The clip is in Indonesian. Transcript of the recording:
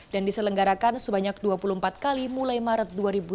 dan diselenggarakan sebanyak dua puluh empat kali mulai maret dua ribu sembilan belas